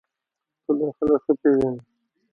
ته دا خلک ښه پېژنې